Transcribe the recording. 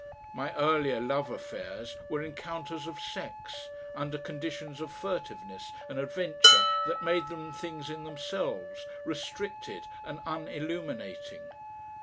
My earlier love affairs were encounters of sex, under conditions of furtiveness and adventure that made them things in themselves, restricted and unilluminating.